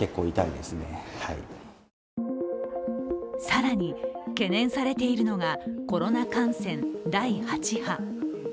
更に懸念されているのがコロナ感染第８波。